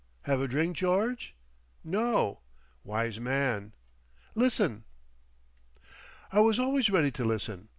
Have a drink, George? No! Wise man! Liss'n." I was always ready to listen.